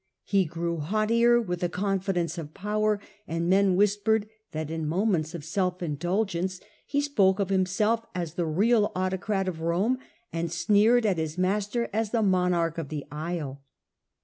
He grew haughtier His haughti with the confidence of power, and men whis pered that in moments of self indulgence he spoke of himself as the real autocrat of Rome, and sneered at his master as the Monarch of the Isle.